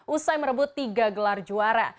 usai merebut tiga gelar juara